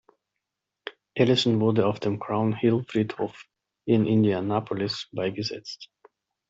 Allison wurde auf dem Crown Hill-Friedhof in Indianapolis beigesetzt.